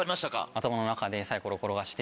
頭の中でサイコロ転がして。